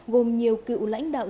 gồm nhiều cựu lãnh đạo